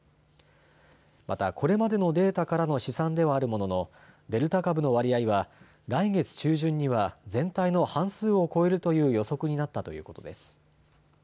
また、これまでのデータからの試算ではあるもののデルタ株の割合は来月中旬には全体の半数を超えるという予測になったということです。